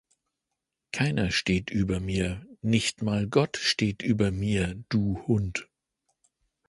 Keiner steht über mir, nicht mal Gott steht über mir du Hund.